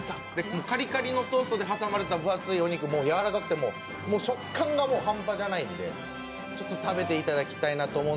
カリカリのトーストで挟まれた分厚いお肉はやわらかくて食感が半端じゃないんで、ちょっと食べていただきたいと思って。